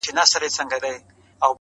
د دربار له دروېشانو سره څه دي؟!!